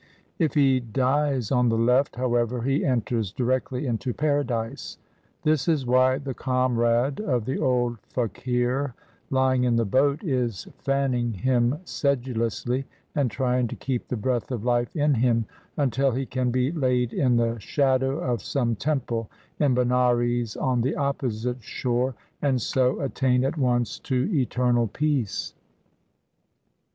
If he dies on the left, however, he enters directly into paradise. This is why the comrade of the old fakir lying in the boat is fan ning him sedulously and trying to keep the breath of life in him until he can be laid in the shadow of some temple in Benares on the opposite shore, and so attain at once to eter nal peace.